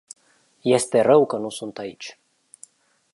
Este rău că nu sunt aici.